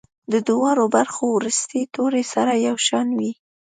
د دواړو برخو وروستي توري سره یو شان وي.